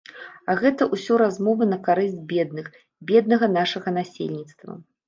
А гэта ўсё размовы на карысць бедных, беднага нашага насельніцтва.